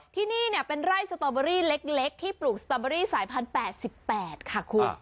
ที่นี่เป็นไร่สตอเบอรี่เล็กที่ปลูกสตอเบอรี่สายพันธุ๘๘ค่ะคุณ